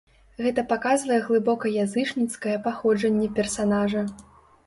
Гэта паказвае глыбока язычніцкае паходжанне персанажа.